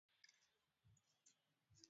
Hakuna anayejua machungu yangu